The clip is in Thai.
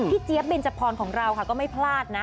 พี่เจี๊ยบเบนเจภร์ของเราก็ไม่พลาดนะ